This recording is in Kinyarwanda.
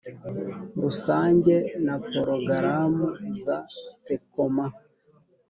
rusange na porogaramu za stecoma